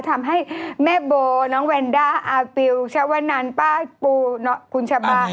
ทำให้แม่โบน้องแวนด้าอาปิวชวนันป้าปูคุณชะบา